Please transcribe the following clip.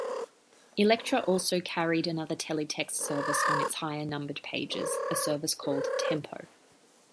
Electra also carried another teletext service on its higher-numbered pages, a service called "Tempo".